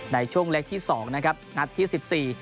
ในช่วงเล็กที่สองนะครับนัดที่สิบสี่